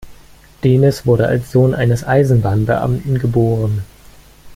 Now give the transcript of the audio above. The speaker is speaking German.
Denis wurde als Sohn eines Eisenbahnbeamten geboren.